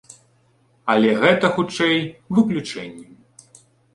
Але гэта, хутчэй, выключэнні.